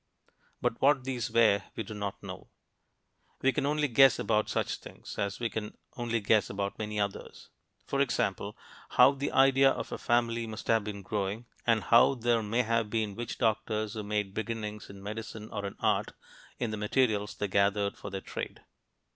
But what these were, we do not know. We can only guess about such things, as we can only guess about many others; for example, how the idea of a family must have been growing, and how there may have been witch doctors who made beginnings in medicine or in art, in the materials they gathered for their trade.